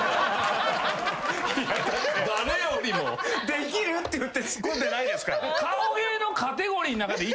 できるって言ってツッコんでないですから。